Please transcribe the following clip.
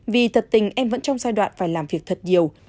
vì thật tình em vẫn trong giai đoạn phải làm việc thật nhiều